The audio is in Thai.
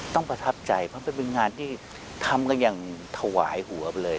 ประทับใจเพราะมันเป็นงานที่ทำกันอย่างถวายหัวไปเลย